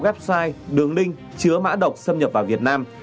website đường linh chứa mã độc xâm nhập vào việt nam